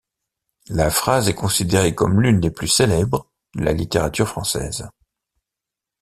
La phrase est considérée comme l'une des plus célèbres de la littérature française.